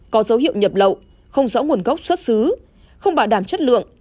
có dấu hiệu nhập lậu không rõ nguồn gốc xuất xứ không bảo đảm chất lượng